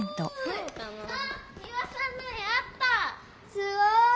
すごい！